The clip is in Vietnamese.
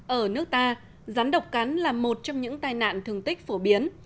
ở nước ta rắn độc cắn là một trong những tai nạn thương tích phổ biến